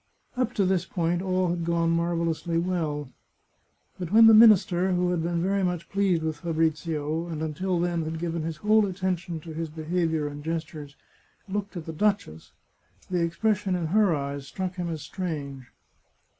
Up to this point all had gone marvellously well. But when the minister, who had been very much pleased with Fabrizio, and until then had given his whole attention to his behaviour and gestures, looked at the duchess, the expression in her eyes struck him as strange.